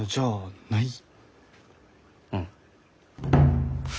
うん。